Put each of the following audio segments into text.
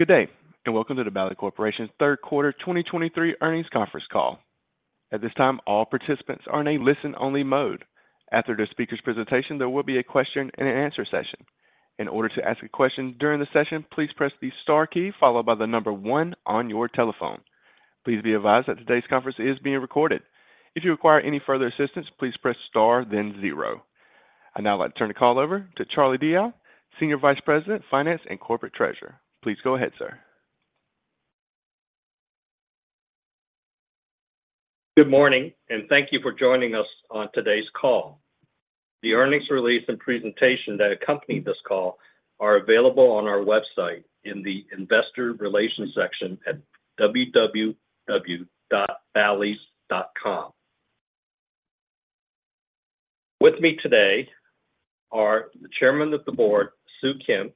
Good day, and welcome to the Bally's Corporation's Q3 2023 earnings conference call. At this time, all participants are in a listen-only mode. After the speaker's presentation, there will be a question and answer session. In order to ask a question during the session, please press the star key, followed by the number 1 on your telephone. Please be advised that today's conference is being recorded. If you require any further assistance, please press star, then 0. I'd now like to turn the call over to Charles Diao, Senior Vice President, Finance, and Corporate Treasurer. Please go ahead, sir Good morning, and thank you for joining us on today's call. The earnings release and presentation that accompany this call are available on our website in the Investor Relations section at www.ballys.com. With me today are the Chairman of the Board, Soo Kim,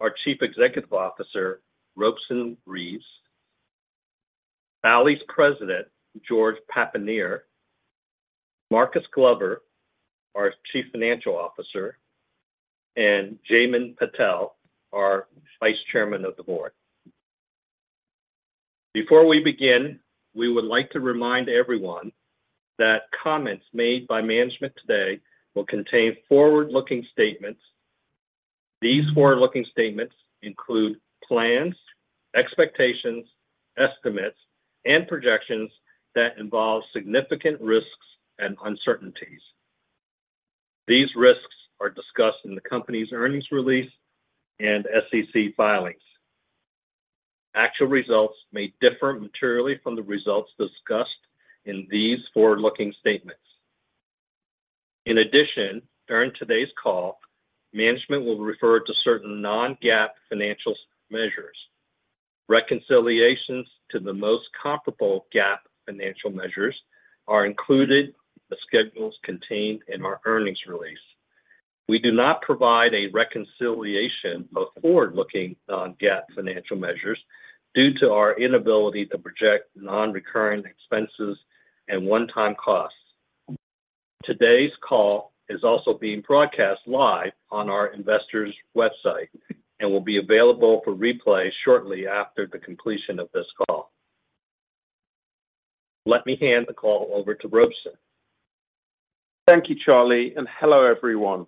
our Chief Executive Officer, Robeson Reeves, Bally's President, George Papanier, Marcus Glover, our Chief Financial Officer, and Jaymin Patel, our Vice Chairman of the Board. Before we begin, we would like to remind everyone that comments made by management today will contain forward-looking statements. These forward-looking statements include plans, expectations, estimates, and projections that involve significant risks and uncertainties. These risks are discussed in the company's earnings release and SEC filings. Actual results may differ materially from the results discussed in these forward-looking statements. In addition, during today's call, management will refer to certain non-GAAP financial measures. Reconciliations to the most comparable GAAP financial measures are included. The schedules contained in our earnings release. We do not provide a reconciliation of forward-looking non-GAAP financial measures due to our inability to project non-recurring expenses and one-time costs. Today's call is also being broadcast live on our investors' website and will be available for replay shortly after the completion of this call. Let me hand the call over to Robeson. Thank you, Charlie, and hello, everyone.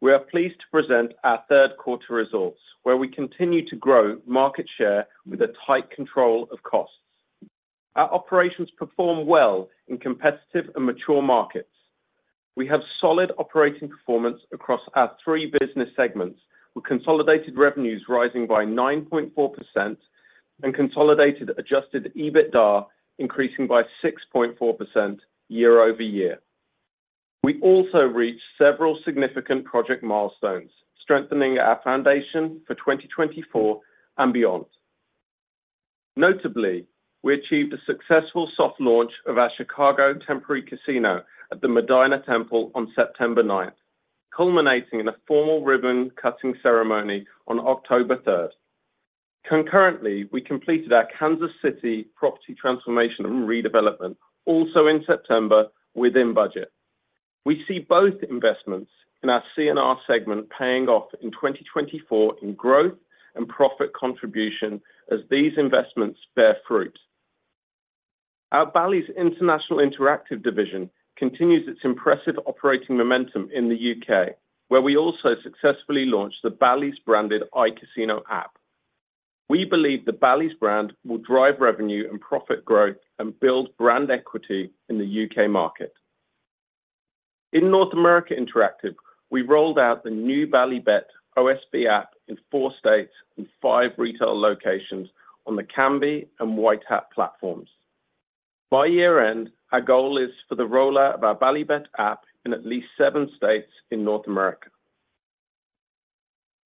We are pleased to present our Q3 results, where we continue to grow market share with a tight control of costs. Our operations perform well in competitive and mature markets. We have solid operating performance across our three business segments, with consolidated revenues rising by 9.4% and consolidated adjusted EBITDA increasing by 6.4% year-over-year. We also reached several significant project milestones, strengthening our foundation for 2024 and beyond. Notably, we achieved a successful soft launch of our Chicago temporary casino at the Medinah Temple on September ninth, culminating in a formal ribbon-cutting ceremony on October third. Concurrently, we completed our Kansas City property transformation and redevelopment, also in September, within budget. We see both investments in our C&R segment paying off in 2024 in growth and profit contribution as these investments bear fruit. Our Bally's Interactive International division continues its impressive operating momentum in the UK, where we also successfully launched the Bally's branded iCasino app. We believe the Bally's brand will drive revenue and profit growth and build brand equity in the UK market. In North America Interactive, we rolled out the new Bally Bet OSB app in four states and five retail locations on the Kambi and White Hat platforms. By year-end, our goal is for the rollout of our Bally Bet app in at least seven states in North America.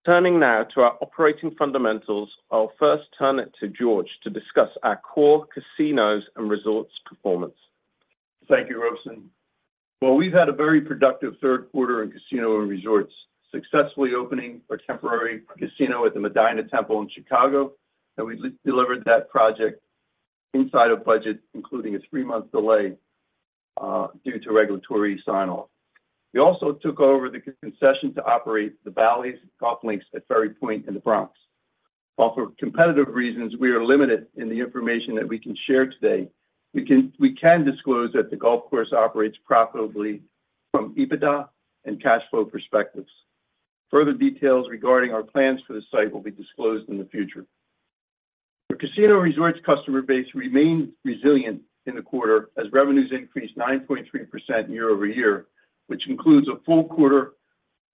Turning now to our operating fundamentals, I'll first turn it to George to discuss our core casinos and resorts performance. Thank you, Robeson. Well, we've had a very productive Q3 in Casinos and Resorts, successfully opening a temporary casino at the Medinah Temple in Chicago, and we delivered that project inside of budget, including a three-month delay due to regulatory sign-off. We also took over the concession to operate the Bally's Golf Links at Ferry Point in the Bronx. While for competitive reasons, we are limited in the information that we can share today, we can disclose that the golf course operates profitably from EBITDA and cash flow perspectives. Further details regarding our plans for the site will be disclosed in the future. The Casinos and Resorts customer base remained resilient in the quarter as revenues increased 9.3% year-over-year, which includes a full quarter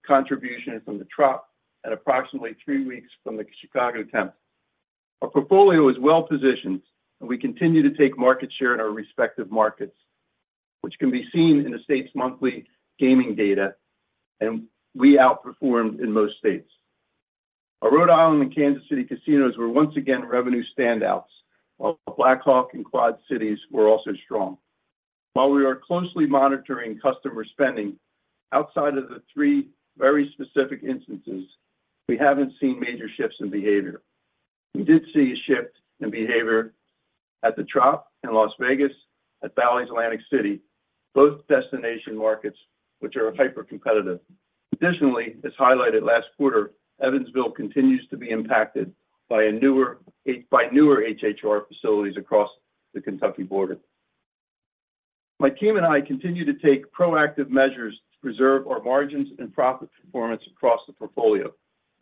contribution from the Trop and approximately three weeks from the Chicago temp. Our portfolio is well-positioned, and we continue to take market share in our respective markets, which can be seen in the state's monthly gaming data, and we outperformed in most states. Our Rhode Island and Kansas City casinos were once again revenue standouts, while Black Hawk and Quad Cities were also strong. While we are closely monitoring customer spending, outside of the three very specific instances, we haven't seen major shifts in behavior.... We did see a shift in behavior at the Trop in Las Vegas, at Bally's Atlantic City, both destination markets, which are hypercompetitive. Additionally, as highlighted last quarter, Evansville continues to be impacted by newer HHR facilities across the Kentucky border. My team and I continue to take proactive measures to preserve our margins and profit performance across the portfolio.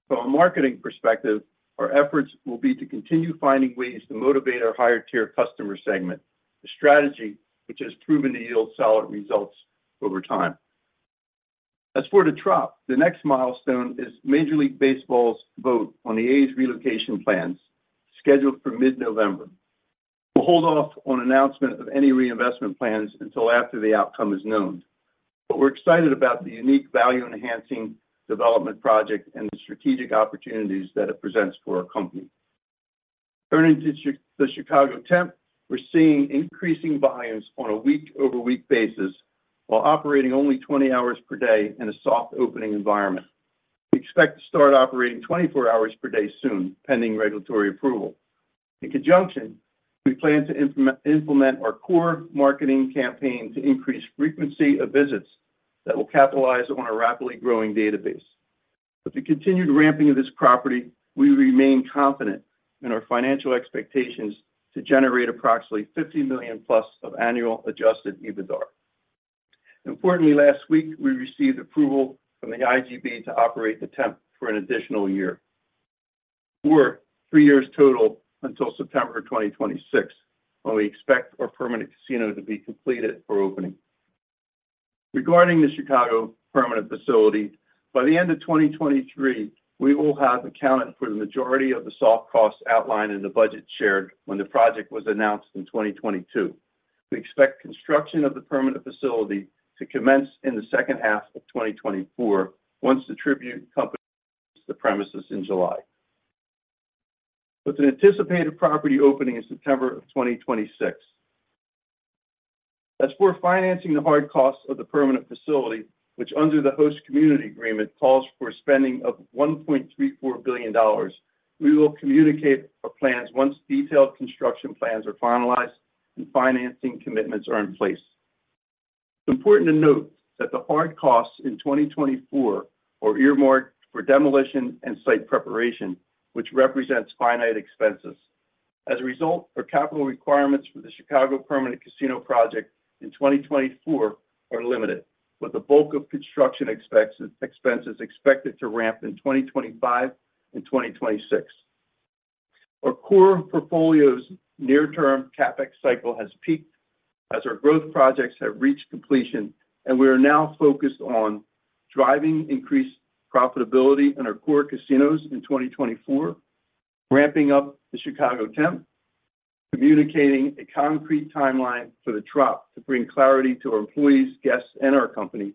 From a marketing perspective, our efforts will be to continue finding ways to motivate our higher-tier customer segment, a strategy which has proven to yield solid results over time. As for the Trop, the next milestone is Major League Baseball's vote on the A's relocation plans, scheduled for mid-November. We'll hold off on announcement of any reinvestment plans until after the outcome is known. But we're excited about the unique value-enhancing development project and the strategic opportunities that it presents for our company. Turning to the Chicago Temp, we're seeing increasing volumes on a week-over-week basis, while operating only 20 hours per day in a soft opening environment. We expect to start operating 24 hours per day soon, pending regulatory approval. In conjunction, we plan to implement our core marketing campaign to increase frequency of visits that will capitalize on our rapidly growing database. With the continued ramping of this property, we remain confident in our financial expectations to generate approximately $50+ million of annual Adjusted EBITDA. Importantly, last week, we received approval from the IGB to operate the Temp for an additional year, or three years total until September 2026, when we expect our permanent casino to be completed for opening. Regarding the Chicago permanent facility, by the end of 2023, we will have accounted for the majority of the soft costs outlined in the budget shared when the project was announced in 2022. We expect construction of the permanent facility to commence in the second half of 2024, once the Tribune Company [inaudible] the premises in July, with an anticipated property opening in September of 2026. As for financing the hard costs of the permanent facility, which under the Host Community Agreement, calls for spending of $1.34 billion, we will communicate our plans once detailed construction plans are finalized and financing commitments are in place. It's important to note that the hard costs in 2024 are earmarked for demolition and site preparation, which represents finite expenses. As a result, our capital requirements for the Chicago Permanent Casino project in 2024 are limited, with the bulk of construction expenses expected to ramp in 2025 and 2026. Our core portfolio's near-term CapEx cycle has peaked as our growth projects have reached completion, and we are now focused on driving increased profitability in our core casinos in 2024, ramping up the Chicago Temp, communicating a concrete timeline for the Trop to bring clarity to our employees, guests, and our company,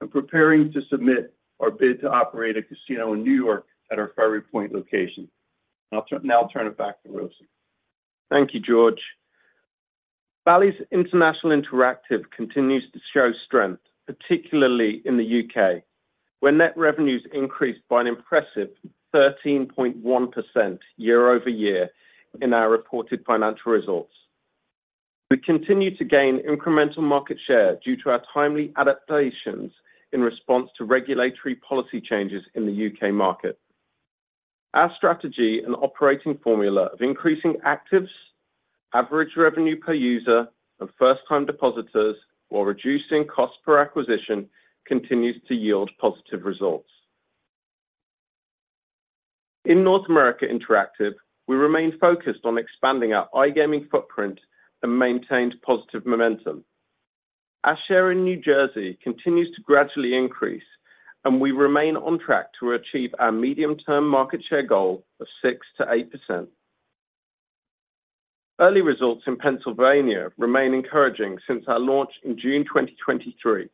and preparing to submit our bid to operate a casino in New York at our Ferry Point location. I'll turn it back to Robeson. Thank you, George. Bally's Interactive International continues to show strength, particularly in the UK, where net revenues increased by an impressive 13.1% year-over-year in our reported financial results. We continue to gain incremental market share due to our timely adaptations in response to regulatory policy changes in the UK market. Our strategy and operating formula of increasing actives, average revenue per user, and first-time depositors, while reducing cost per acquisition, continues to yield positive results. In North America Interactive, we remain focused on expanding our iGaming footprint and maintained positive momentum. Our share in New Jersey continues to gradually increase, and we remain on track to achieve our medium-term market share goal of 6%-8%. Early results in Pennsylvania remain encouraging since our launch in June 2023.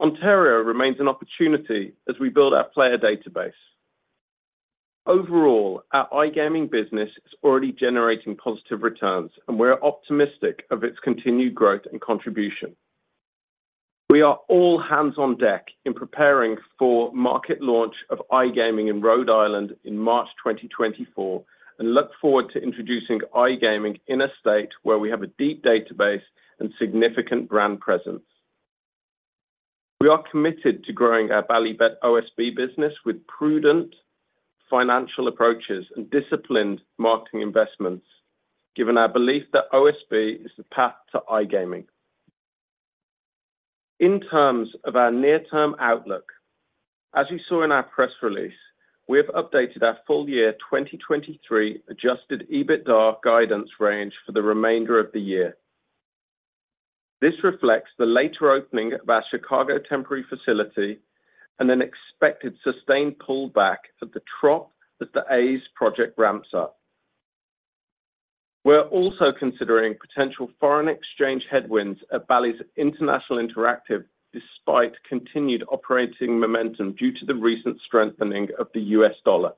Ontario remains an opportunity as we build our player database. Overall, our iGaming business is already generating positive returns, and we are optimistic of its continued growth and contribution. We are all hands on deck in preparing for market launch of iGaming in Rhode Island in March 2024, and look forward to introducing iGaming in a state where we have a deep database and significant brand presence. We are committed to growing our Bally Bet OSB business with prudent financial approaches and disciplined marketing investments, given our belief that OSB is the path to iGaming. In terms of our near-term outlook, as you saw in our press release, we have updated our full-year 2023 Adjusted EBITDA guidance range for the remainder of the year. This reflects the later opening of our Chicago temporary facility and an expected sustained pullback at the Trop as the A's project ramps up. We're also considering potential foreign exchange headwinds at Bally's Interactive International, despite continued operating momentum due to the recent strengthening of the U.S. dollar.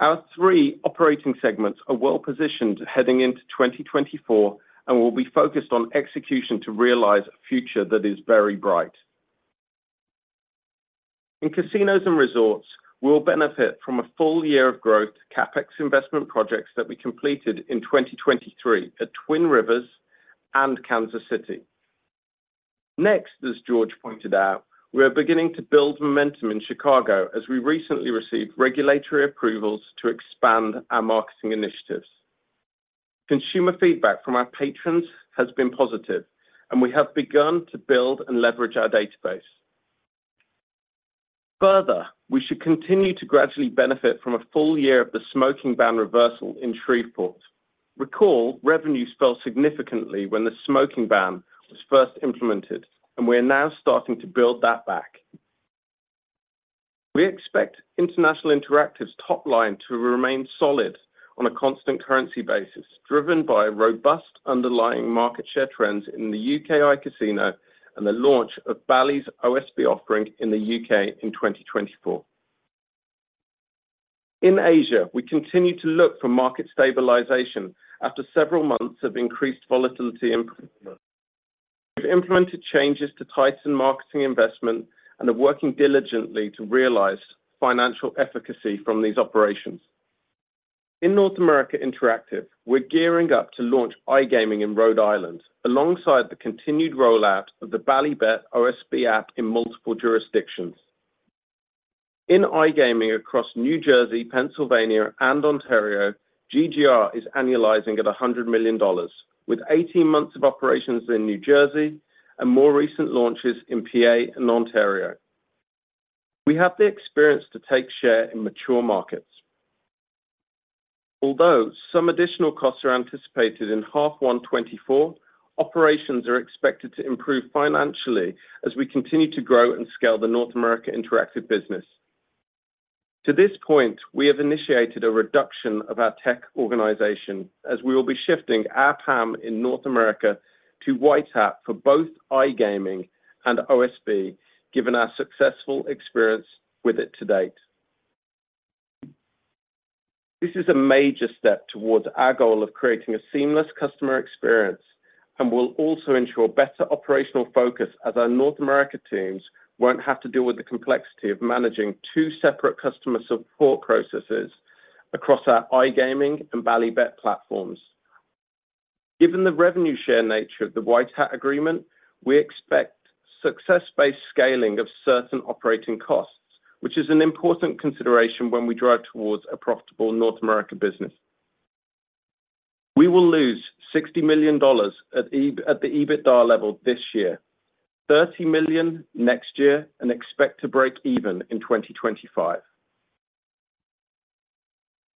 Our three operating segments are well-positioned heading into 2024, and we'll be focused on execution to realize a future that is very bright. In casinos and resorts, we will benefit from a full year of growth CapEx investment projects that we completed in 2023 at Twin Rivers and Kansas City. Next, as George pointed out, we are beginning to build momentum in Chicago as we recently received regulatory approvals to expand our marketing initiatives. Consumer feedback from our patrons has been positive, and we have begun to build and leverage our database. Further, we should continue to gradually benefit from a full year of the smoking ban reversal in Shreveport. Recall, revenue fell significantly when the smoking ban was first implemented, and we are now starting to build that back. We expect International Interactive's top line to remain solid on a constant currency basis, driven by robust underlying market share trends in the UK iCasino and the launch of Bally's OSB offering in the UK in 2024. In Asia, we continue to look for market stabilization after several months of increased volatility, and we've implemented changes to tighten marketing investment and are working diligently to realize financial efficacy from these operations. In North America Interactive, we're gearing up to launch iGaming in Rhode Island, alongside the continued rollout of the Bally Bet OSB app in multiple jurisdictions. In iGaming across New Jersey, Pennsylvania, and Ontario, GGR is annualizing at $100 million, with 18 months of operations in New Jersey and more recent launches in PA and Ontario. We have the experience to take share in mature markets. Although some additional costs are anticipated in H1 2024, operations are expected to improve financially as we continue to grow and scale the North America Interactive business. To this point, we have initiated a reduction of our tech organization as we will be shifting our PAM in North America to White Hat for both iGaming and OSB, given our successful experience with it to date. This is a major step towards our goal of creating a seamless customer experience and will also ensure better operational focus, as our North America teams won't have to deal with the complexity of managing two separate customer support processes across our iGaming and Bally Bet platforms. Given the revenue share nature of the White Hat agreement, we expect success-based scaling of certain operating costs, which is an important consideration when we drive towards a profitable North America business. We will lose $60 million at the EBITDA level this year, $30 million next year, and expect to break even in 2025.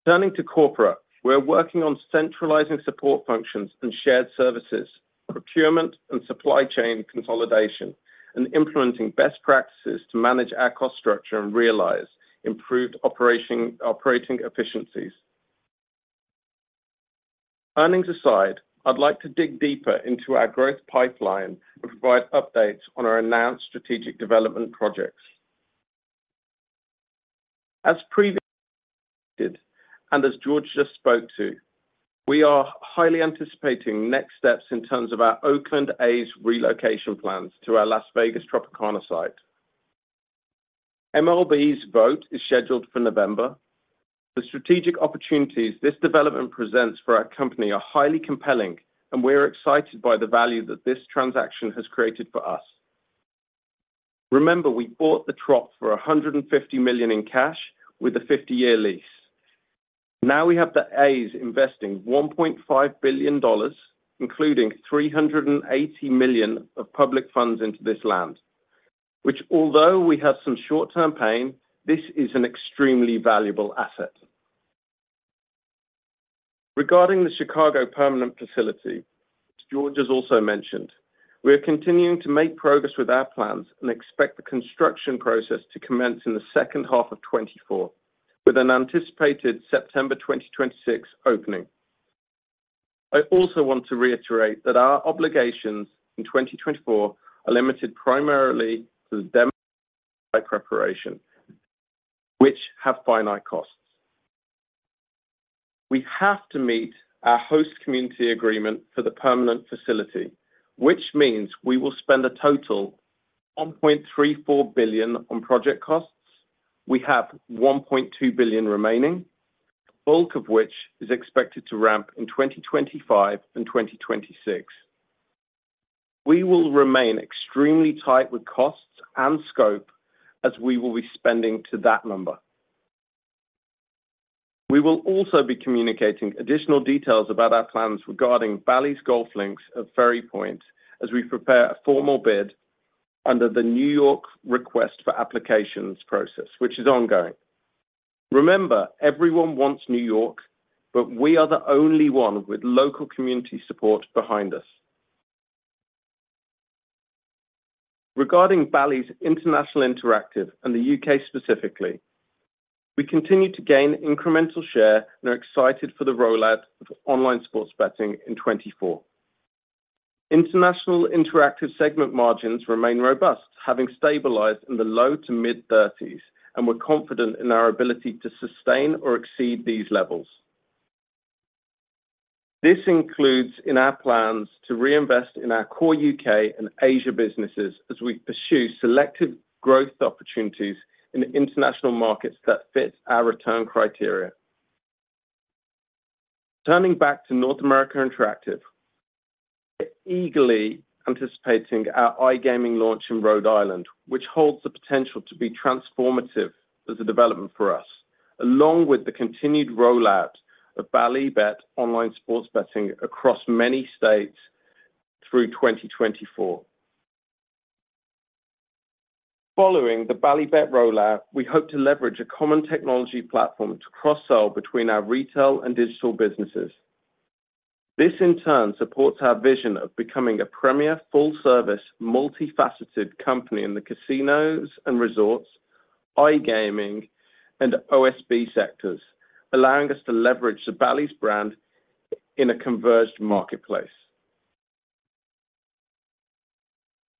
Turning to corporate, we are working on centralizing support functions and shared services, procurement and supply chain consolidation, and implementing best practices to manage our cost structure and realize improved operating efficiencies. Earnings aside, I'd like to dig deeper into our growth pipeline to provide updates on our announced strategic development projects. As previously stated, and as George just spoke to, we are highly anticipating next steps in terms of our Oakland A's relocation plans to our Las Vegas Tropicana site. MLB's vote is scheduled for November. The strategic opportunities this development presents for our company are highly compelling, and we're excited by the value that this transaction has created for us. Remember, we bought the Trop for $150 million in cash with a 50-year lease. Now we have the A's investing $1.5 billion, including $380 million of public funds into this land, which, although we have some short-term pain, this is an extremely valuable asset. Regarding the Chicago permanent facility, George has also mentioned, we are continuing to make progress with our plans and expect the construction process to commence in the second half of 2024, with an anticipated September 2026 opening. I also want to reiterate that our obligations in 2024 are limited primarily to the demo preparation, which have finite costs. We have to meet our Host Community Agreement for the permanent facility, which means we will spend a total of $1.34 billion on project costs. We have $1.2 billion remaining, the bulk of which is expected to ramp in 2025 and 2026. We will remain extremely tight with costs and scope as we will be spending to that number. We will also be communicating additional details about our plans regarding Bally's Golf Links at Ferry Point as we prepare a formal bid under the New York Request for Applications process, which is ongoing. Remember, everyone wants New York, but we are the only one with local community support behind us. Regarding Bally's Interactive International and the UK specifically, we continue to gain incremental share and are excited for the rollout of online sports betting in 2024. International Interactive segment margins remain robust, having stabilized in the low- to mid-30s, and we're confident in our ability to sustain or exceed these levels. This includes in our plans to reinvest in our core UK and Asia businesses as we pursue selective growth opportunities in international markets that fit our return criteria. Turning back to North America Interactive, we are eagerly anticipating our iGaming launch in Rhode Island, which holds the potential to be transformative as a development for us, along with the continued rollout of Bally Bet online sports betting across many states through 2024. Following the Bally Bet rollout, we hope to leverage a common technology platform to cross-sell between our retail and digital businesses. This, in turn, supports our vision of becoming a premier, full-service, multifaceted company in the Casinos and Resorts, iGaming, and OSB sectors, allowing us to leverage the Bally's brand in a converged marketplace.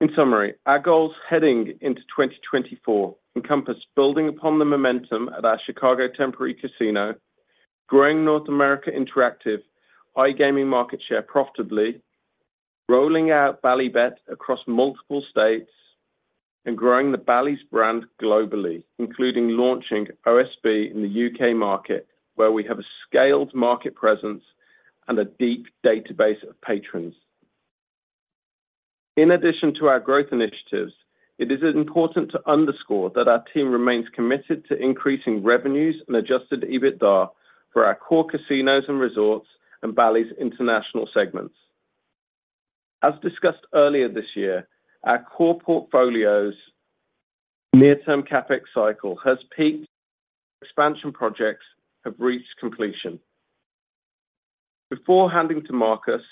In summary, our goals heading into 2024 encompass building upon the momentum at our Chicago temporary casino, growing North America Interactive iGaming market share profitably, rolling out Bally Bet across multiple states, and growing the Bally's brand globally, including launching OSB in the UK market, where we have a scaled market presence and a deep database of patrons. In addition to our growth initiatives, it is important to underscore that our team remains committed to increasing revenues and Adjusted EBITDA for our core Casinos and Resorts and Bally's International segments. As discussed earlier this year, our core portfolio's near-term CapEx cycle has peaked, expansion projects have reached completion. Before handing to Marcus,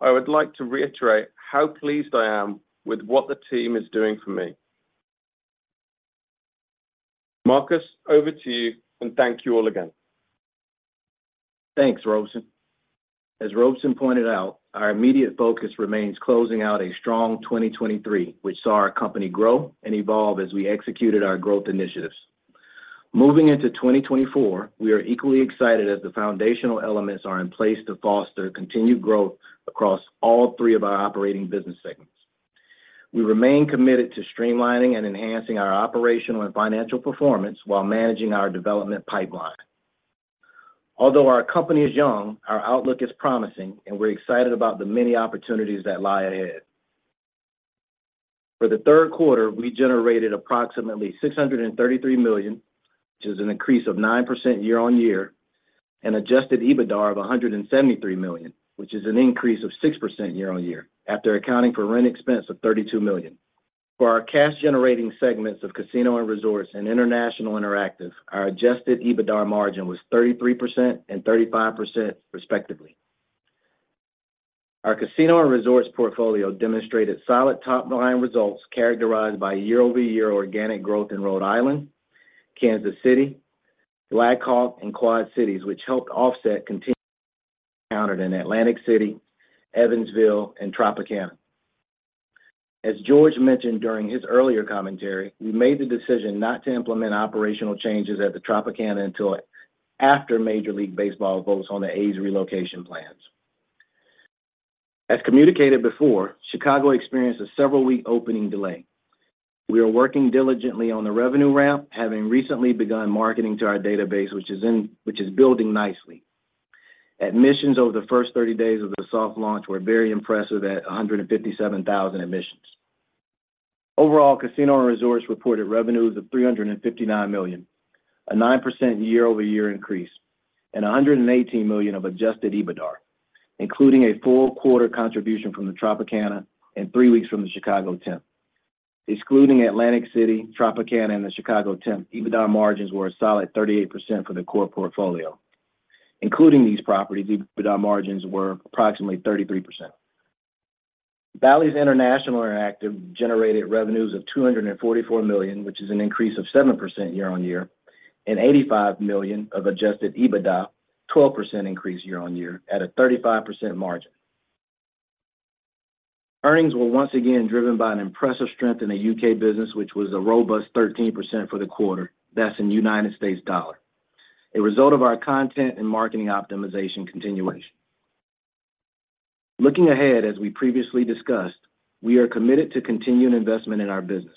I would like to reiterate how pleased I am with what the team is doing for me. Marcus, over to you, and thank you all again. Thanks, Robeson. As Robeson pointed out, our immediate focus remains closing out a strong 2023, which saw our company grow and evolve as we executed our growth initiatives. Moving into 2024, we are equally excited as the foundational elements are in place to foster continued growth across all three of our operating business segments. We remain committed to streamlining and enhancing our operational and financial performance while managing our development pipeline. Although our company is young, our outlook is promising, and we're excited about the many opportunities that lie ahead. For the Q3, we generated approximately $633 million, which is an increase of 9% year-on-year, and adjusted EBITDA of $173 million, which is an increase of 6% year-on-year, after accounting for rent expense of $32 million. For our cash-generating segments of Casinos and Resorts and International Interactive, our Adjusted EBITDA margin was 33% and 35%, respectively. Our Casinos and Resorts portfolio demonstrated solid top-line results, characterized by year-over-year organic growth in Rhode Island, Kansas City, Black Hawk, and Quad Cities, which helped offset continued encountered in Atlantic City, Evansville, and Tropicana. As George mentioned during his earlier commentary, we made the decision not to implement operational changes at the Tropicana until after Major League Baseball votes on the A's relocation plans. As communicated before, Chicago experienced a several-week opening delay. We are working diligently on the revenue ramp, having recently begun marketing to our database, which is building nicely. Admissions over the first 30 days of the soft launch were very impressive at 157,000 admissions. Overall, Casinos and Resorts reported revenues of $359 million, a 9% year-over-year increase, and $118 million of Adjusted EBITDA, including a full quarter contribution from the Tropicana and three weeks from the Chicago Temp. Excluding Atlantic City, Tropicana, and the Chicago Temp, EBITDA margins were a solid 38% for the core portfolio. Including these properties, EBITDA margins were approximately 33%. Bally's International Interactive generated revenues of $244 million, which is an increase of 7% year on year, and $85 million of Adjusted EBITDA, 12% increase year on year at a 35% margin. Earnings were once again driven by an impressive strength in the U.K. business, which was a robust 13% for the quarter. That's in U.S. dollar, a result of our content and marketing optimization continuation. Looking ahead, as we previously discussed, we are committed to continuing investment in our business.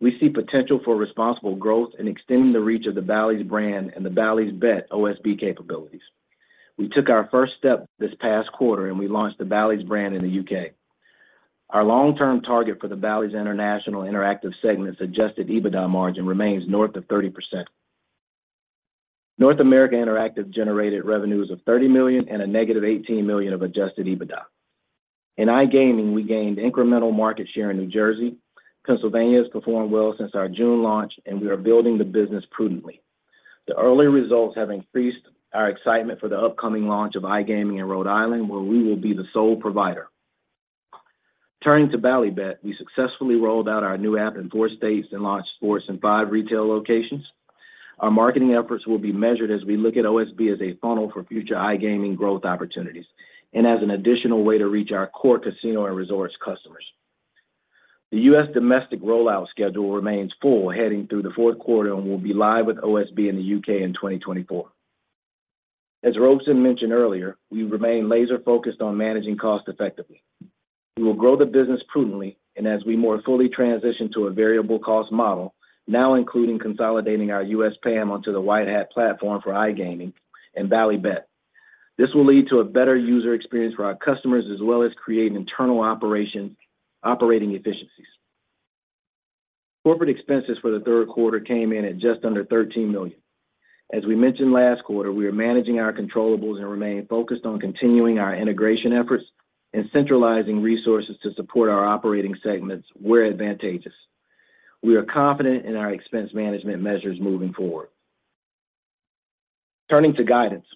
We see potential for responsible growth and extending the reach of the Bally's brand and the Bally's Bet OSB capabilities. We took our first step this past quarter, and we launched the Bally's brand in the UK. Our long-term target for the Bally's Interactive International segment's adjusted EBITDA margin remains north of 30%. North America Interactive generated revenues of $30 million and a negative $18 million of adjusted EBITDA. In iGaming, we gained incremental market share in New Jersey. Pennsylvania has performed well since our June launch, and we are building the business prudently. The early results have increased our excitement for the upcoming launch of iGaming in Rhode Island, where we will be the sole provider. Turning to Bally Bet, we successfully rolled out our new app in 4 states and launched sports in 5 retail locations. Our marketing efforts will be measured as we look at OSB as a funnel for future iGaming growth opportunities and as an additional way to reach our core casino and resorts customers. The U.S. domestic rollout schedule remains full heading through the Q4 and will be live with OSB in the U.K. in 2024. As Robeson mentioned earlier, we remain laser-focused on managing costs effectively. We will grow the business prudently and as we more fully transition to a variable cost model, now including consolidating our U.S. PAM onto the White Hat platform for iGaming and Bally Bet. This will lead to a better user experience for our customers, as well as create internal operation, operating efficiencies. Corporate expenses for the Q3 came in at just under $13 million. As we mentioned last quarter, we are managing our controllables and remain focused on continuing our integration efforts and centralizing resources to support our operating segments where advantageous. We are confident in our expense management measures moving forward. Turning to guidance.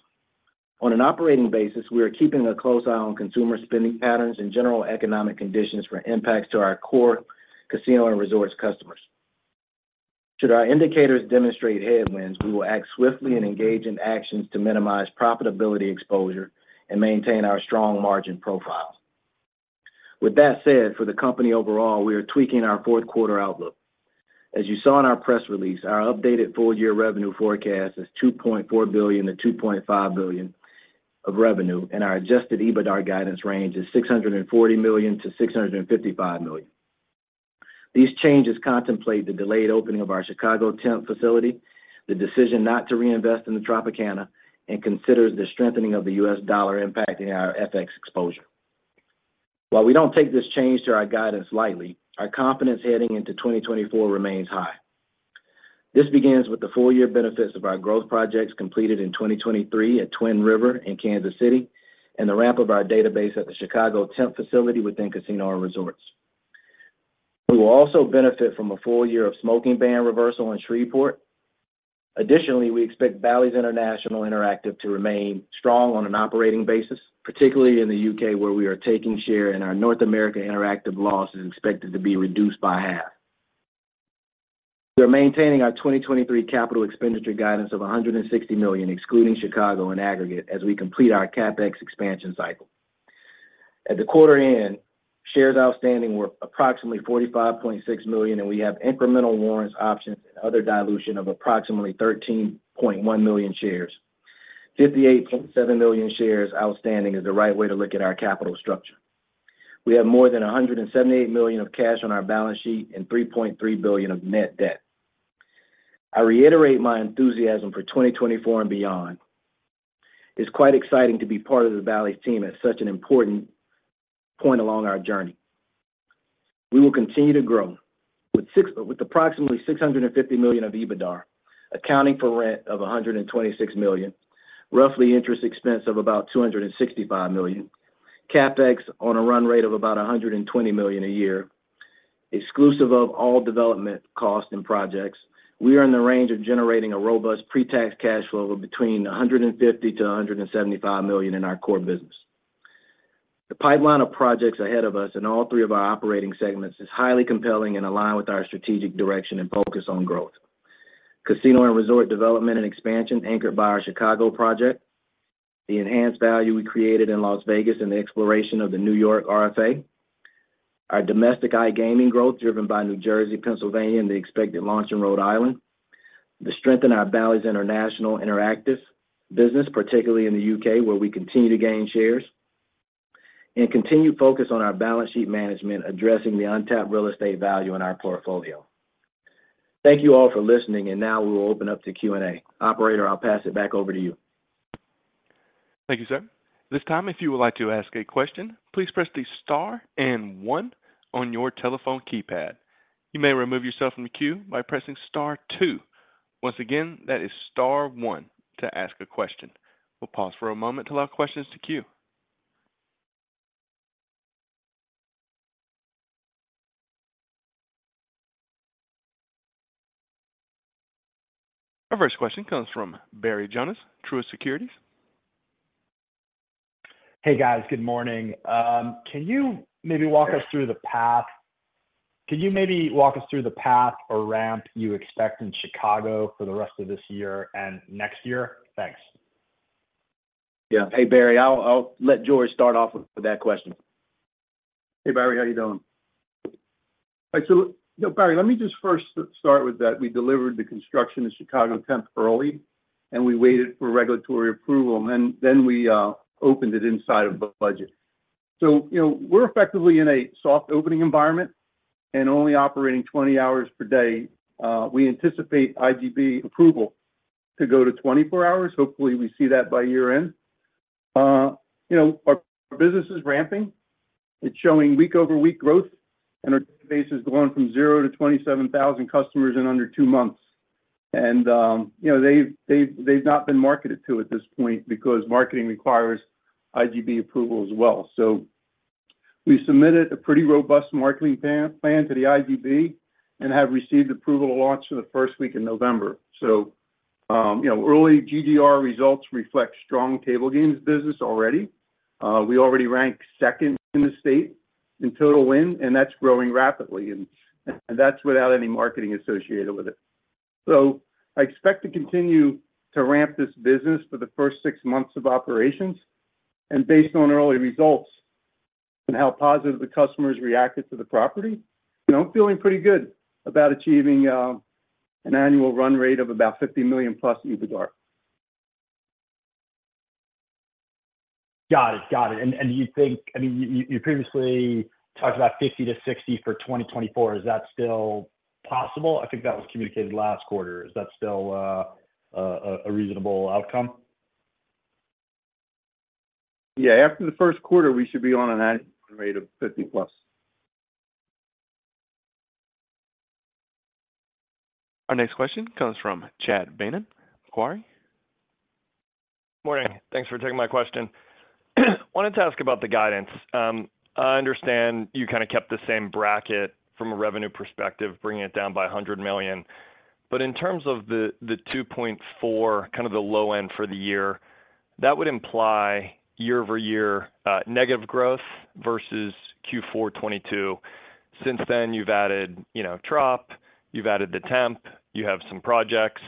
On an operating basis, we are keeping a close eye on consumer spending patterns and general economic conditions for impacts to our core casino and resorts customers. Should our indicators demonstrate headwinds, we will act swiftly and engage in actions to minimize profitability exposure and maintain our strong margin profile. With that said, for the company overall, we are tweaking our Q4 outlook. As you saw in our press release, our updated full-year revenue forecast is $2.4 to 2.5 billion of revenue, and our Adjusted EBITDA guidance range is $640 to 655 million. These changes contemplate the delayed opening of our Chicago Temp facility, the decision not to reinvest in the Tropicana, and considers the strengthening of the US dollar impacting our FX exposure. While we don't take this change to our guidance lightly, our confidence heading into 2024 remains high. This begins with the full-year benefits of our growth projects completed in 2023 at Twin River and Kansas City, and the ramp of our database at the Chicago Temp facility within Casinos and Resorts. We will also benefit from a full year of smoking ban reversal in Shreveport. Additionally, we expect Bally's Interactive International to remain strong on an operating basis, particularly in the UK, where we are taking share, and our North America Interactive loss is expected to be reduced by half. We are maintaining our 2023 capital expenditure guidance of $160 million, excluding Chicago in aggregate, as we complete our CapEx expansion cycle. At the quarter end, shares outstanding were approximately 45.6 million, and we have incremental warrants, options, and other dilution of approximately 13.1 million shares. 58.7 million shares outstanding is the right way to look at our capital structure. We have more than $178 million of cash on our balance sheet and $3.3 billion of net debt. I reiterate my enthusiasm for 2024 and beyond. It's quite exciting to be part of the Bally's team at such an important point along our journey. We will continue to grow. With approximately $650 million of EBITDA, accounting for rent of $126 million, roughly interest expense of about $265 million, CapEx on a run rate of about $120 million a year, exclusive of all development costs and projects, we are in the range of generating a robust pre-tax cash flow of between $150 to 175 million in our core business. The pipeline of projects ahead of us in all three of our operating segments is highly compelling and align with our strategic direction and focus on growth. Casino and resort development and expansion, anchored by our Chicago project, the enhanced value we created in Las Vegas and the exploration of the New York RFA, our domestic iGaming growth, driven by New Jersey, Pennsylvania, and the expected launch in Rhode Island, the strength in our Bally's Interactive International business, particularly in the UK, where we continue to gain shares, and continued focus on our balance sheet management, addressing the untapped real estate value in our portfolio. Thank you all for listening, and now we will open up to Q&A. Operator, I'll pass it back over to you. Thank you, sir. This time, if you would like to ask a question, please press the star and one on your telephone keypad. You may remove yourself from the queue by pressing star two. Once again, that is star one to ask a question. We'll pause for a moment to allow questions to queue. Our first question comes from Barry Jonas, Truist Securities. Hey, guys. Good morning. Can you maybe walk us through the path or ramp you expect in Chicago for the rest of this year and next year? Thanks. Yeah. Hey, Barry, I'll, I'll let George start off with that question. Hey, Barry, how you doing? So, Barry, let me just first start with that. We delivered the construction in Chicago Temp early, and we waited for regulatory approval, and then we opened it inside of the budget. So, you know, we're effectively in a soft opening environment and only operating 20 hours per day. We anticipate IGB approval to go to 24 hours. Hopefully, we see that by year-end. You know, our business is ramping. It's showing week-over-week growth, and our database is going from zero to 27,000 customers in under two months, and, you know, they've not been marketed to at this point because marketing requires IGB approval as well. So we submitted a pretty robust marketing plan to the IGB and have received approval to launch in the first week in November. So, you know, early GGR results reflect strong table games business already. We already rank second in the state in total win, and that's growing rapidly, and that's without any marketing associated with it. So I expect to continue to ramp this business for the first six months of operations.... and based on early results and how positive the customers reacted to the property, you know, I'm feeling pretty good about achieving an annual run rate of about $50 million+ EBITDA. Got it. Got it. And do you think—I mean, you previously talked about 50-60 for 2024. Is that still possible? I think that was communicated last quarter. Is that still a reasonable outcome? Yeah. After the Q1, we should be on an annual run rate of 50+. Our next question comes from Chad Beynon, Macquarie. Morning. Thanks for taking my question. Wanted to ask about the guidance. I understand you kind of kept the same bracket from a revenue perspective, bringing it down by $100 million. But in terms of the 2.4, kind of the low end for the year, that would imply year-over-year negative growth versus Q4 2022. Since then, you've added, you know, Trop, you've added the Temp, you have some projects.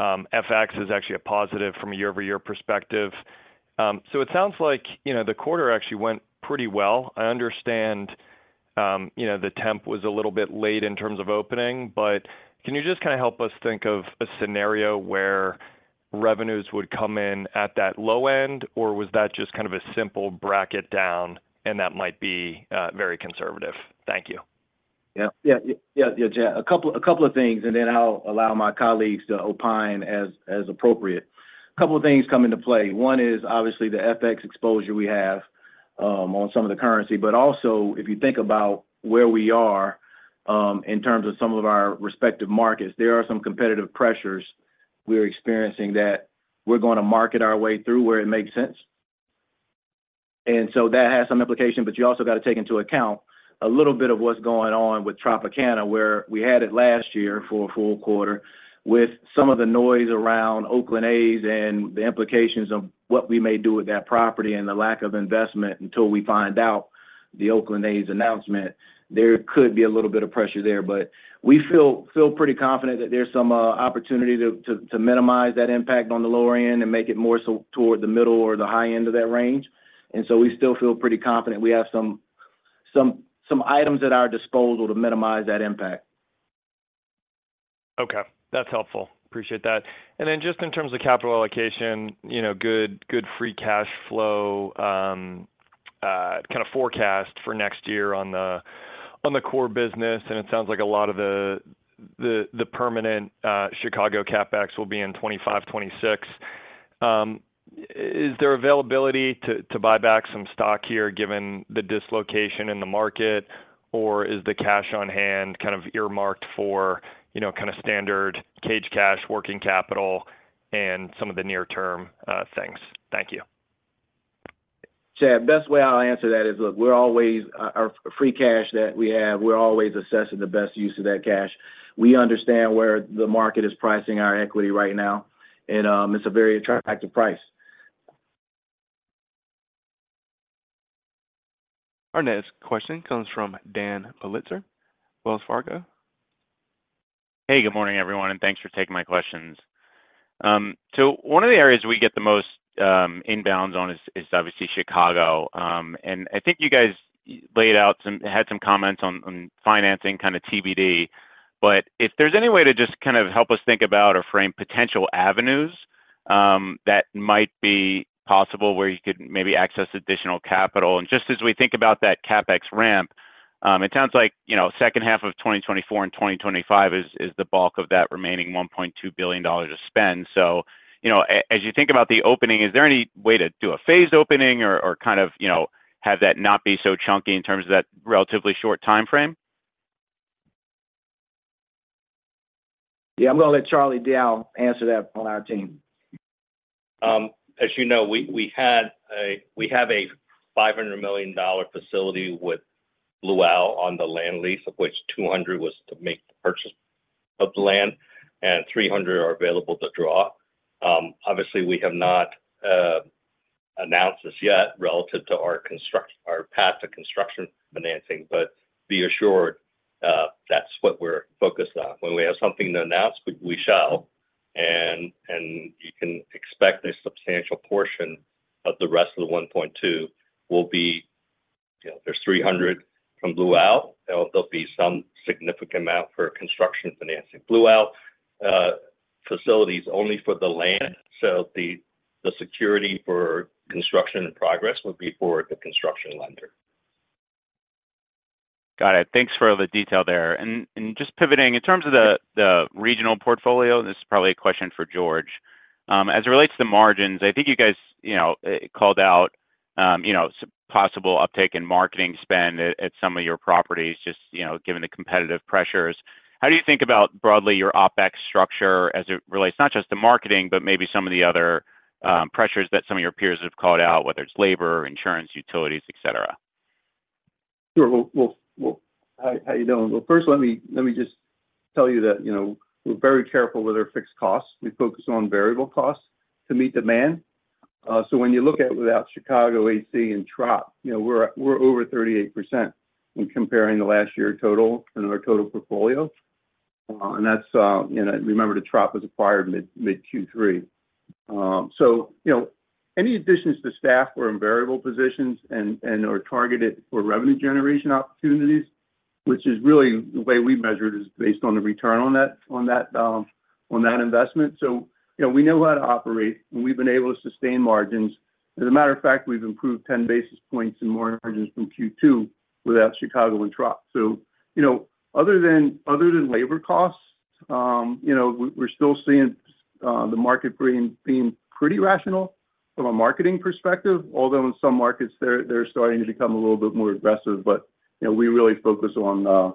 FX is actually a positive from a year-over-year perspective. So it sounds like, you know, the quarter actually went pretty well. I understand, you know, the Temp was a little bit late in terms of opening, but can you just kind of help us think of a scenario where revenues would come in at that low end, or was that just kind of a simple bracket down and that might be, very conservative? Thank you. Yeah. Yeah, yeah, yeah, Chad. A couple, a couple of things, and then I'll allow my colleagues to opine as, as appropriate. A couple of things come into play. One is obviously the FX exposure we have on some of the currency, but also, if you think about where we are in terms of some of our respective markets, there are some competitive pressures we're experiencing that we're going to market our way through where it makes sense. And so that has some implication, but you also got to take into account a little bit of what's going on with Tropicana, where we had it last year for a full quarter with some of the noise around Oakland A's and the implications of what we may do with that property and the lack of investment. Until we find out the Oakland A's announcement, there could be a little bit of pressure there, but we feel pretty confident that there's some opportunity to minimize that impact on the lower end and make it more so toward the middle or the high end of that range. And so we still feel pretty confident. We have some items at our disposal to minimize that impact. Okay, that's helpful. Appreciate that. And then just in terms of capital allocation, you know, good, good free cash flow, kind of forecast for next year on the, on the core business, and it sounds like a lot of the, the, the permanent, Chicago CapEx will be in 2025, 2026. Is there availability to, to buy back some stock here, given the dislocation in the market? Or is the cash on hand kind of earmarked for, you know, kind of standard cage cash, working capital, and some of the near-term, things? Thank you. Chad, best way I'll answer that is, look, we're always assessing the best use of that cash. We understand where the market is pricing our equity right now, and it's a very attractive price. Our next question comes from Dan Politzer, Wells Fargo. Hey, good morning, everyone, and thanks for taking my questions. So one of the areas we get the most inbounds on is obviously Chicago. And I think you guys laid out some had some comments on financing, kind of TBD. But if there's any way to just kind of help us think about or frame potential avenues that might be possible where you could maybe access additional capital. And just as we think about that CapEx ramp, it sounds like, you know, second half of 2024 and 2025 is the bulk of that remaining $1.2 billion to spend. So, you know, as you think about the opening, is there any way to do a phased opening or, or kind of, you know, have that not be so chunky in terms of that relatively short timeframe? Yeah. I'm going to let Charles Diao answer that on our team. As you know, we have a $500 million facility with BlueAl on the land lease, of which $200 million was to make the purchase of the land and $300 million are available to draw. Obviously, we have not announced this yet relative to our path to construction financing, but be assured, that's what we're focused on. When we have something to announce, we shall, and you can expect a substantial portion of the rest of the $1.2 billion will be... You know, there's $300 million from Blue Owl. There'll be some significant amount for construction financing. BlueAl facility is only for the land, so the security for construction and progress would be for the construction lender. Got it. Thanks for all the detail there. And just pivoting, in terms of the regional portfolio, this is probably a question for George. As it relates to margins, I think you guys, you know, called out, you know, some possible uptick in marketing spend at some of your properties, just, you know, given the competitive pressures. How do you think about broadly your OpEx structure as it relates not just to marketing, but maybe some of the other pressures that some of your peers have called out, whether it's labor, insurance, utilities, et cetera? Sure. Well, well, well, how you doing? Well, first, let me just tell you that, you know, we're very careful with our fixed costs. We focus on variable costs to meet demand. So when you look at it without Chicago, AC, and Trop, you know, we're over 38% when comparing the last year total in our total portfolio.... Well, and that's, you know, remember, the Trop was acquired mid Q3. So, you know, any additions to staff were in variable positions and are targeted for revenue generation opportunities, which is really the way we measure it, is based on the return on that investment. So, you know, we know how to operate, and we've been able to sustain margins. As a matter of fact, we've improved ten basis points in core margins from Q2 without Chicago and Trop. So, you know, other than labor costs, you know, we're still seeing the market being pretty rational from a marketing perspective, although in some markets they're starting to become a little bit more aggressive. But, you know, we really focus on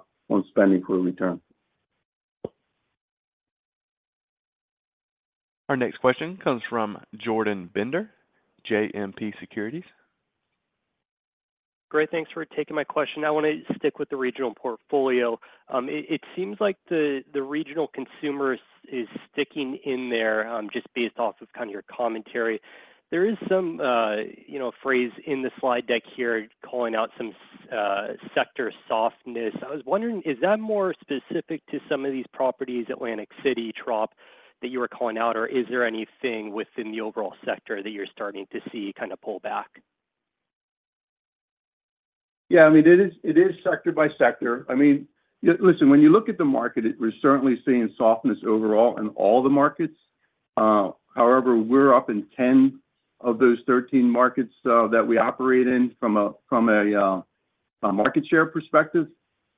spending for return. Our next question comes from Jordan Bender, JMP Securities. Great, thanks for taking my question. I wanna stick with the regional portfolio. It seems like the regional consumer is sticking in there, just based off of kinda your commentary. There is some, you know, phrase in the slide deck here, calling out some sector softness. I was wondering, is that more specific to some of these properties, Atlantic City, Trop, that you were calling out? Or is there anything within the overall sector that you're starting to see kinda pull back? Yeah, I mean, it is sector by sector. I mean, listen, when you look at the market, we're certainly seeing softness overall in all the markets. However, we're up in 10 of those 13 markets that we operate in from a market share perspective.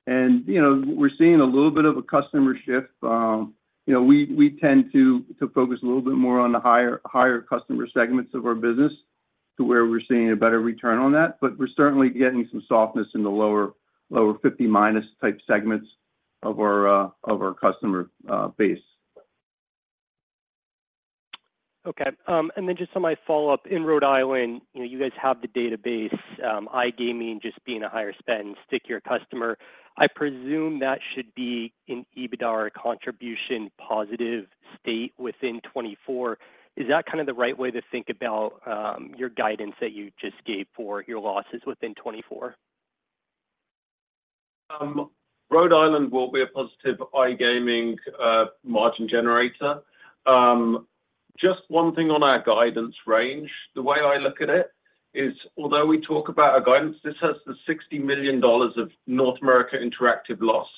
And, you know, we're seeing a little bit of a customer shift. You know, we tend to focus a little bit more on the higher customer segments of our business, to where we're seeing a better return on that. But we're certainly getting some softness in the lower 50 minus type segments of our customer base. Okay, and then just on my follow-up, in Rhode Island, you know, you guys have the database. iGaming just being a higher spend, stickier customer, I presume that should be an EBITDA contribution, positive state within 2024. Is that kind of the right way to think about your guidance that you just gave for your losses within 2024? Rhode Island will be a positive iGaming margin generator. Just one thing on our guidance range. The way I look at it is although we talk about our guidance, this has the $60 million of North America Interactive loss.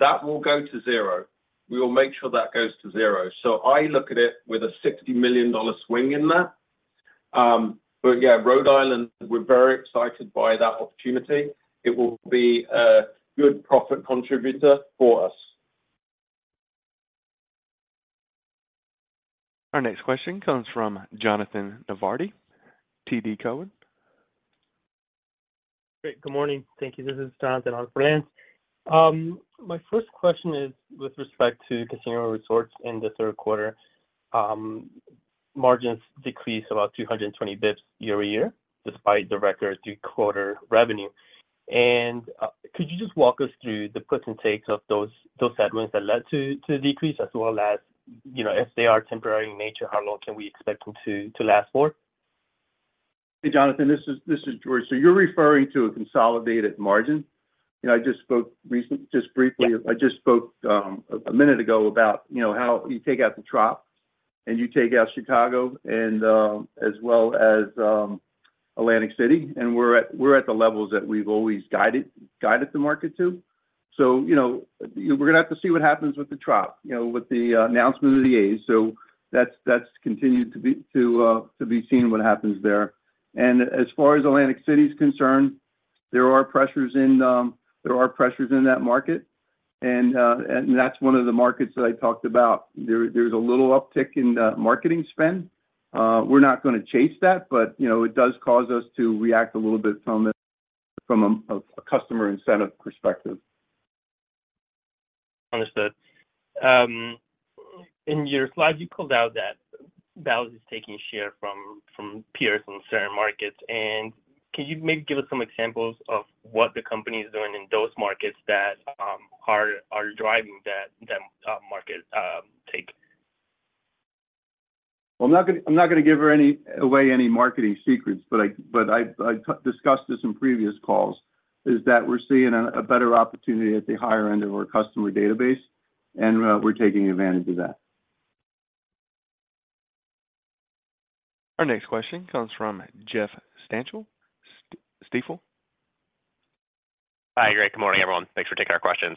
That will go to zero. We will make sure that goes to zero. So I look at it with a $60 million swing in that. But yeah, Rhode Island, we're very excited by that opportunity. It will be a good profit contributor for us. Our next question comes from Jonathan Navarrete, TD Cowen. Great. Good morning. Thank you. This is Jonathan Navarrete. My first question is with respect to casino resorts in the Q3, margins decreased about 200 basis points year-over-year, despite the record third-quarter revenue. And could you just walk us through the puts and takes of those headwinds that led to the decrease, as well as, you know, if they are temporary in nature, how long can we expect them to last for? Hey, Jonathan, this is George. So you're referring to a consolidated margin? You know, I just spoke recently—just briefly- Yeah. I just spoke a minute ago about, you know, how you take out the Trop, and you take out Chicago, and as well as Atlantic City, and we're at, we're at the levels that we've always guided, guided the market to. So, you know, we're gonna have to see what happens with the Trop, you know, with the announcement of the A's. So that's, that's continued to be, to, to be seen what happens there. And as far as Atlantic City is concerned, there are pressures in there are pressures in that market. And, and that's one of the markets that I talked about. There, there's a little uptick in the marketing spend. We're not gonna chase that, but, you know, it does cause us to react a little bit from a, from a, a customer incentive perspective. Understood. In your slide, you called out that Bally's is taking share from peers in certain markets. And can you maybe give us some examples of what the company is doing in those markets that are driving that market take? Well, I'm not gonna, I'm not gonna give away any marketing secrets, but I, but I, I discussed this in previous calls, is that we're seeing a, a better opportunity at the higher end of our customer database, and we're taking advantage of that. Our next question comes from Jeff Stantial, Stifel. Hi, Greg. Good morning, everyone. Thanks for taking our questions.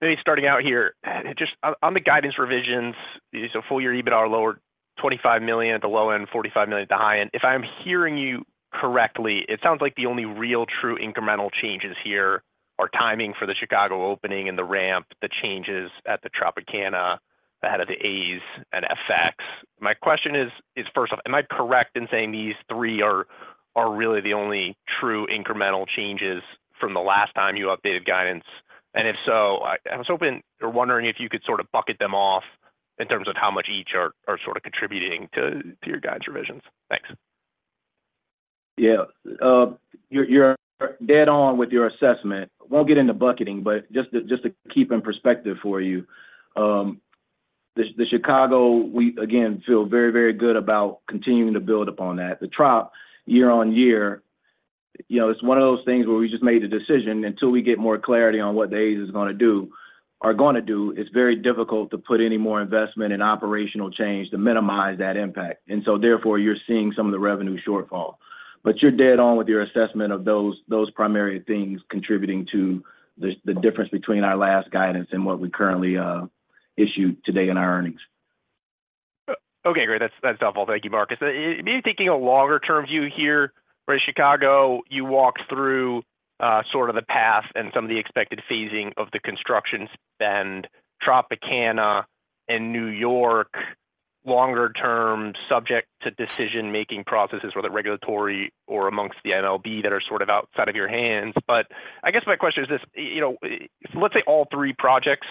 Maybe starting out here, just on the guidance revisions, so full-year EBITDA are lower, $25 million at the low end, $45 million at the high end. If I'm hearing you correctly, it sounds like the only real true incremental changes here are timing for the Chicago opening and the ramp, the changes at the Tropicana, ahead of the A's and FX. My question is, first off, am I correct in saying these three are really the only true incremental changes from the last time you updated guidance? And if so, I was hoping or wondering if you could sort of break them out in terms of how much each are sort of contributing to your guide revisions. Thanks. Yeah. You're, you're dead on with your assessment. Won't get into bucketing, but just to keep in perspective for you, the Chicago, we again, feel very, very good about continuing to build upon that. The Trop, year on year.... you know, it's one of those things where we just made a decision until we get more clarity on what the IGB is gonna do—are gonna do. It's very difficult to put any more investment in operational change to minimize that impact. So therefore, you're seeing some of the revenue shortfall. But you're dead on with your assessment of those primary things contributing to the difference between our last guidance and what we currently issued today in our earnings. Okay, great. That's, that's helpful. Thank you, Marcus. Maybe taking a longer-term view here, where Chicago, you walked through, sort of the path and some of the expected phasing of the construction spend, Tropicana and New York, longer term, subject to decision-making processes, whether regulatory or among the MLB, that are sort of outside of your hands. But I guess my question is this, you know, let's say all three projects,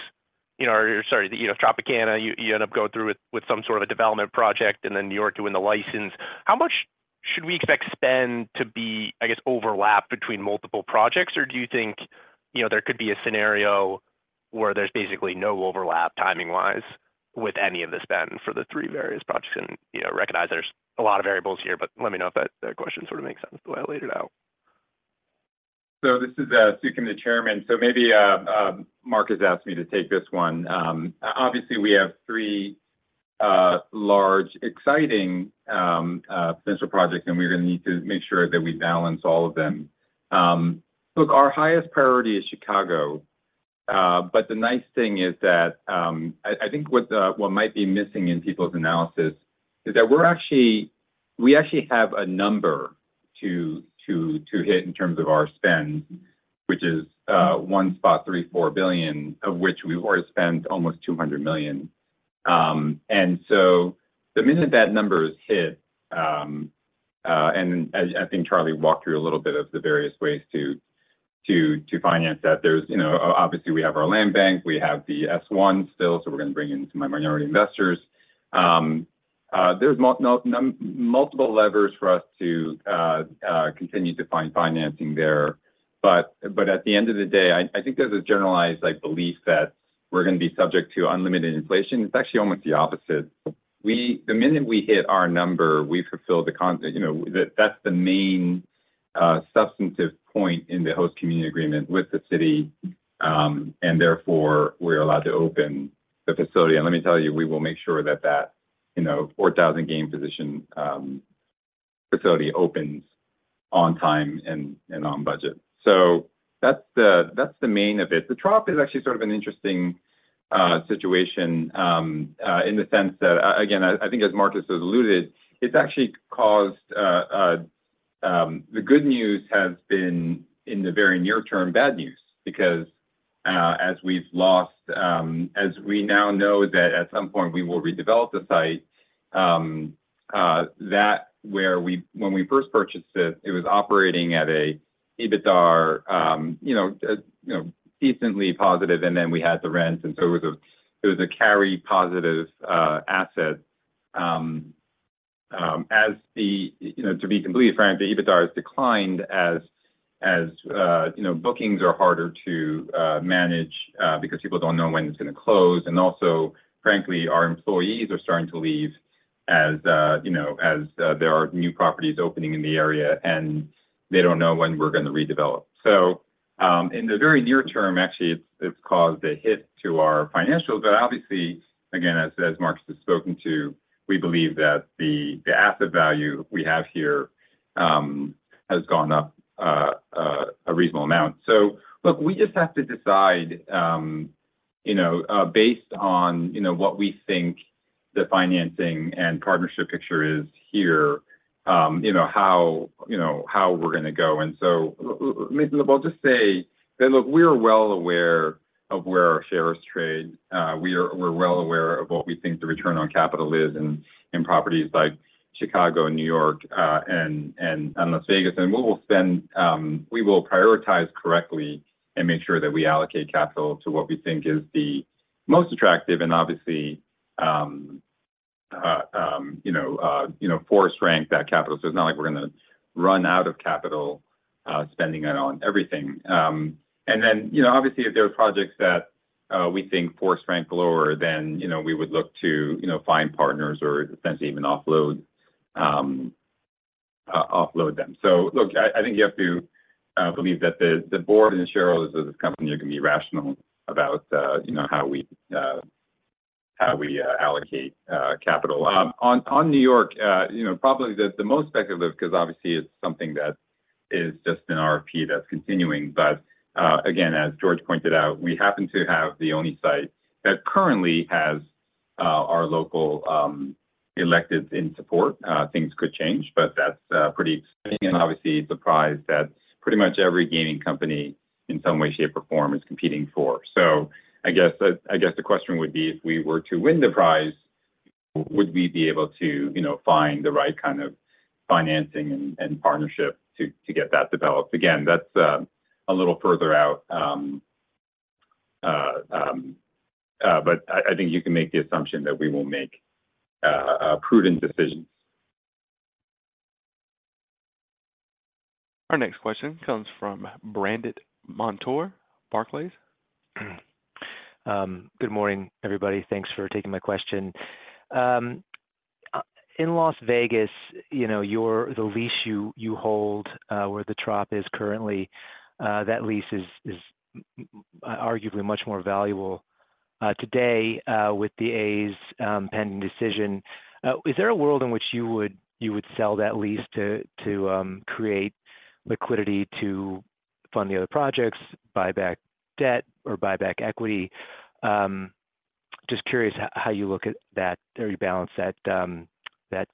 you know. Or sorry, you know, Tropicana, you end up going through with some sort of a development project, and then New York, you win the license. How much should we expect spend to be, I guess, overlapped between multiple projects? Or do you think, you know, there could be a scenario where there's basically no overlap timing-wise with any of the spend for the three various projects? You know, recognize there's a lot of variables here, but let me know if that question sort of makes sense the way I laid it out. So this is Soo Kim, the chairman. So maybe Marcus asked me to take this one. Obviously, we have three large, exciting potential projects, and we're gonna need to make sure that we balance all of them. Look, our highest priority is Chicago, but the nice thing is that I think what might be missing in people's analysis is that we're actually we actually have a number to hit in terms of our spend, which is $1.34 billion, of which we've already spent almost $200 million. And so the minute that number is hit, and I think Charlie walked through a little bit of the various ways to finance that. There's, you know, obviously, we have our land bank, we have the S-1 still, so we're going to bring in some minority investors. There's multiple levers for us to continue to find financing there. But at the end of the day, I think there's a generalized, like, belief that we're going to be subject to unlimited inflation. It's actually almost the opposite. The minute we hit our number, we fulfill. You know, that's the main substantive point in the Host Community Agreement with the city, and therefore, we're allowed to open the facility. Let me tell you, we will make sure that that, you know, 4,000 game position facility opens on time and on budget. So that's the main of it. The Trop is actually sort of an interesting situation in the sense that again, I think as Marcus has alluded, it's actually caused the good news has been, in the very near term, bad news. Because as we've lost as we now know that at some point we will redevelop the site when we first purchased it, it was operating at an EBITDA you know decently positive, and then we had the rent, and so it was a it was a carry positive asset. As the you know, to be completely frank, the EBITDA has declined as as you know, bookings are harder to manage because people don't know when it's gonna close. And also, frankly, our employees are starting to leave as, you know, as there are new properties opening in the area, and they don't know when we're gonna redevelop. So, in the very near term, actually, it's caused a hit to our financials. But obviously, again, as Marcus has spoken to, we believe that the asset value we have here has gone up a reasonable amount. So look, we just have to decide, you know, based on, you know, what we think the financing and partnership picture is here, you know, how, you know, how we're gonna go. And so maybe I'll just say that, look, we're well aware of where our shares trade. We are, we're well aware of what we think the return on capital is in properties like Chicago, New York, and Las Vegas. And we will prioritize correctly and make sure that we allocate capital to what we think is the most attractive and obviously, you know, force rank that capital. So it's not like we're gonna run out of capital spending it on everything. And then, you know, obviously, if there are projects that we think force rank lower, then, you know, we would look to, you know, find partners or essentially even offload them. So look, I think you have to believe that the board and the shareholders of this company are going to be rational about, you know, how we allocate capital. On New York, you know, probably the most speculative, because obviously it's something that is just an RFP that's continuing. But again, as George pointed out, we happen to have the only site that currently has our local elected in support. Things could change, but that's pretty exciting and obviously, the prize that pretty much every gaming company in some way, shape, or form is competing for. So I guess, I guess the question would be: If we were to win the prize, would we be able to, you know, find the right kind of financing and partnership to get that developed? Again, that's a little further out, but I think you can make the assumption that we will make a prudent decision. Our next question comes from Brandon Montour, Barclays. ... Good morning, everybody. Thanks for taking my question. In Las Vegas, you know, your-- the lease you hold, where the Trop is currently, that lease is arguably much more valuable today with the A's pending decision. Is there a world in which you would sell that lease to create liquidity to fund the other projects, buy back debt or buy back equity? Just curious how you look at that, or you balance that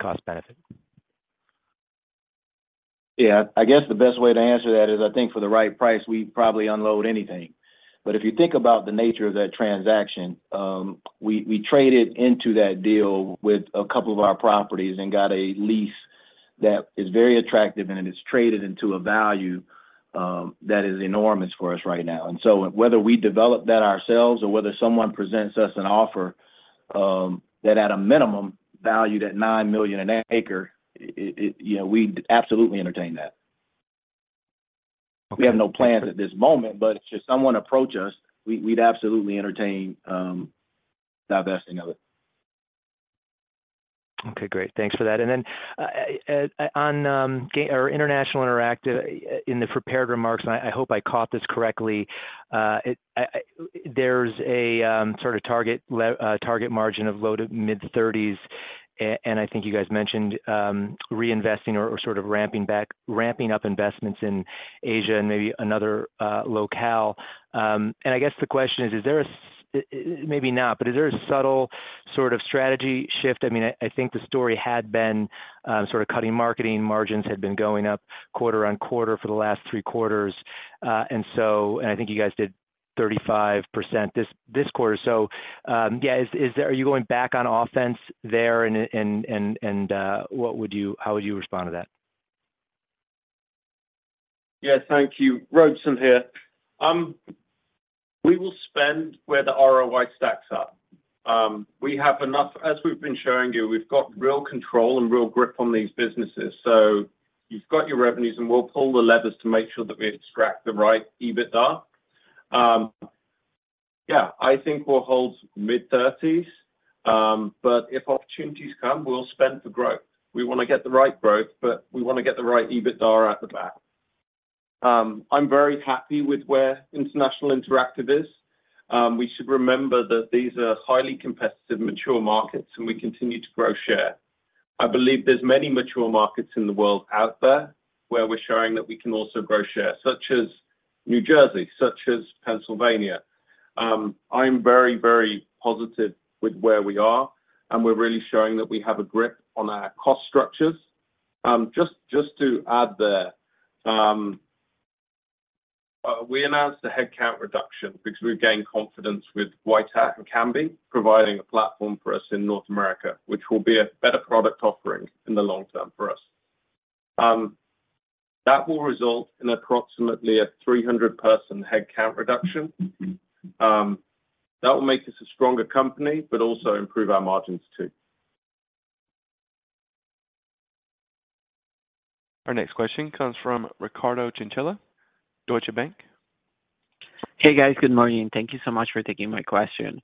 cost benefit. Yeah, I guess the best way to answer that is, I think for the right price, we'd probably unload anything. But if you think about the nature of that transaction, we traded into that deal with a couple of our properties and got a lease that is very attractive, and it is traded into a value that is enormous for us right now. And so whether we develop that ourselves or whether someone presents us an offer that at a minimum, valued at $9 million an acre, it you know, we'd absolutely entertain that. We have no plans at this moment, but if just someone approach us, we we'd absolutely entertain divesting of it. Okay, great. Thanks for that. And then on Gaming or International Interactive, in the prepared remarks, and I hope I caught this correctly, there's a sort of target margin of low- to mid-30s%, and I think you guys mentioned reinvesting or sort of ramping back, ramping up investments in Asia and maybe another locale. And I guess the question is, maybe not, but is there a subtle sort of strategy shift? I mean, I think the story had been sort of cutting marketing margins had been going up quarter-over-quarter for the last 3 quarters. And so and I think you guys did 35% this quarter. Yeah, are you going back on offense there, and how would you respond to that? Yeah, thank you. Robeson here. We will spend where the ROI stacks are. We have enough—as we've been showing you, we've got real control and real grip on these businesses. So you've got your revenues, and we'll pull the levers to make sure that we extract the right EBITDA. Yeah, I think we'll hold mid-thirties, but if opportunities come, we'll spend for growth. We wanna get the right growth, but we wanna get the right EBITDA at the back. I'm very happy with where International Interactive is. We should remember that these are highly competitive, mature markets, and we continue to grow share. I believe there's many mature markets in the world out there where we're showing that we can also grow share, such as New Jersey, such as Pennsylvania. I'm very, very positive with where we are, and we're really showing that we have a grip on our cost structures. Just to add there, we announced a headcount reduction because we've gained confidence with White Hat and Kambi, providing a platform for us in North America, which will be a better product offering in the long term for us. That will result in approximately a 300-person headcount reduction. That will make us a stronger company, but also improve our margins, too. Our next question comes from Ricardo Chinchilla, Deutsche Bank. Hey, guys. Good morning. Thank you so much for taking my question.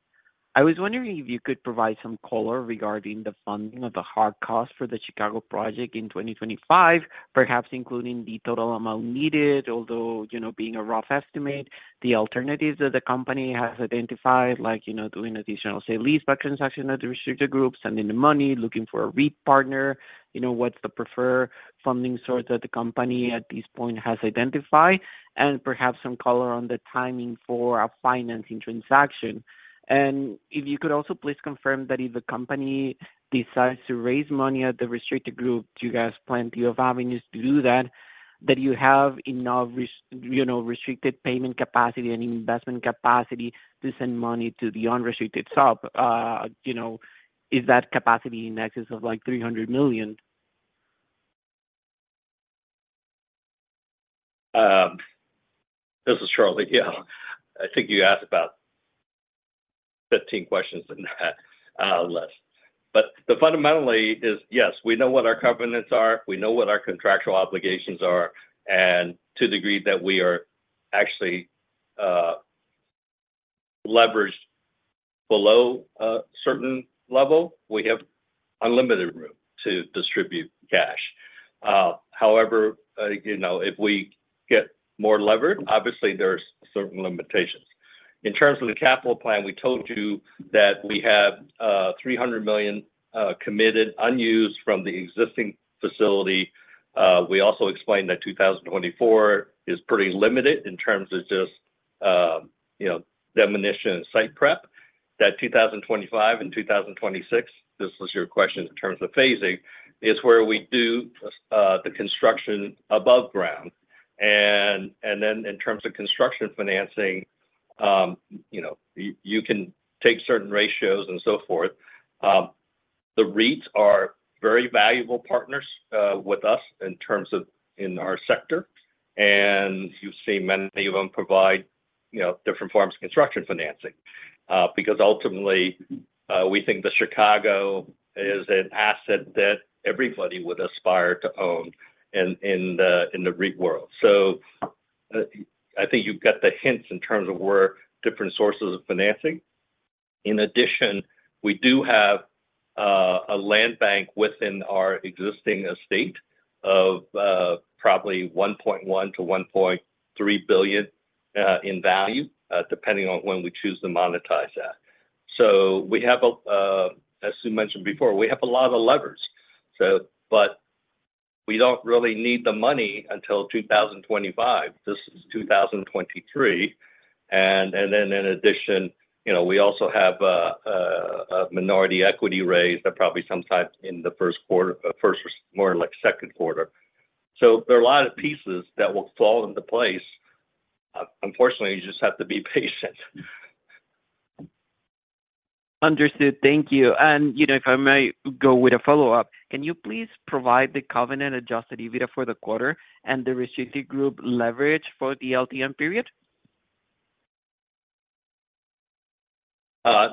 I was wondering if you could provide some color regarding the funding of the hard cost for the Chicago project in 2025, perhaps including the total amount needed, although, you know, being a rough estimate, the alternatives that the company has identified, like, you know, doing additional sale-leaseback transaction at the restricted group, sending the money, looking for a REIT partner, you know, what's the preferred funding source that the company at this point has identified, and perhaps some color on the timing for a financing transaction. If you could also please confirm that if the company decides to raise money at the restricted group, do you guys have plenty of avenues to do that, that you have enough, you know, restricted payment capacity and investment capacity to send money to the unrestricted sub? You know, is that capacity in excess of, like, $300 million? This is Charlie. Yeah, I think you asked about 15 questions in that list. But the fundamentally is, yes, we know what our covenants are, we know what our contractual obligations are, and to the degree that we are actually leveraged below a certain level, we have unlimited room to distribute cash. However, you know, if we get more levered, obviously there's certain limitations. In terms of the capital plan, we told you that we have $300 million committed, unused from the existing facility. We also explained that 2024 is pretty limited in terms of just, you know, demolition and site prep. That 2025 and 2026, this was your question in terms of phasing, is where we do the construction above ground. And then in terms of construction financing, you know, you can take certain ratios and so forth. The REITs are very valuable partners with us in terms of our sector, and you see many of them provide, you know, different forms of construction financing. Because ultimately, we think that Chicago is an asset that everybody would aspire to own in the REIT world. So, I think you've got the hints in terms of where different sources of financing. In addition, we do have a land bank within our existing estate of probably $1.1 billion-$1.3 billion in value, depending on when we choose to monetize that. So we have a, as we mentioned before, we have a lot of levers, so, but we don't really need the money until 2025. This is 2023. And then in addition, you know, we also have a minority equity raise that probably sometime in the Q1, or more like Q2. So there are a lot of pieces that will fall into place. Unfortunately, you just have to be patient. Understood. Thank you. And, you know, if I may go with a follow-up, can you please provide the covenant Adjusted EBITDA for the quarter and the restricted group leverage for the LTM period?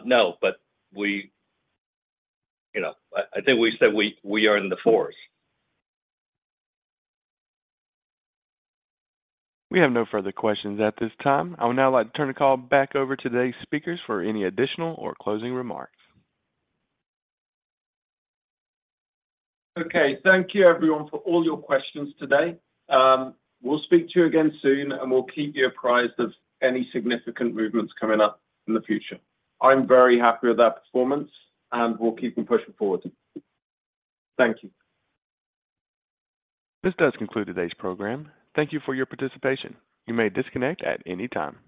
No, but we... You know, I think we said we are in the fours. We have no further questions at this time. I would now like to turn the call back over to today's speakers for any additional or closing remarks. Okay. Thank you, everyone, for all your questions today. We'll speak to you again soon, and we'll keep you apprised of any significant movements coming up in the future. I'm very happy with our performance, and we'll keep on pushing forward. Thank you. This does conclude today's program. Thank you for your participation. You may disconnect at any time.